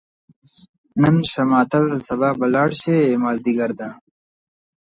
نن شه ماتل سبا به لاړ شې، مازدیګر ده